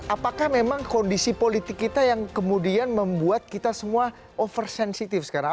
apakah memang kondisi politik kita yang kemudian membuat kita semua over sensitif sekarang